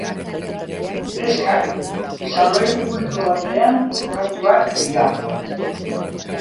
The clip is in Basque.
Neskak saloi publiko batean kokatuak dira.